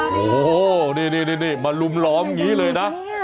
โอ้โหนี่มาลุมล้อมอย่างนี้เลยนะ